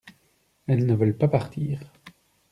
Elles ne veulent pas partir.